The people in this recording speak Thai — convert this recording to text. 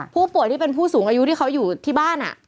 ผู้ป่วยที่เป็นผู้สูงอายุที่เขาอยู่ที่บ้าน